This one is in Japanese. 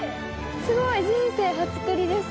すごい人生初栗です